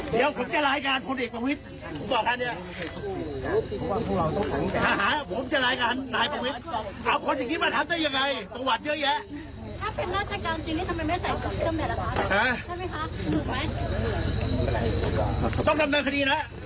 ผู้ใหญ่ไป